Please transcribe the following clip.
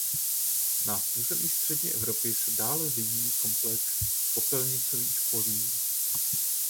Na území střední Evropy se dále vyvíjí komplex popelnicových polí.